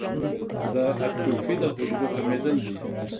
د اټروفي د حجرو کمېدل دي.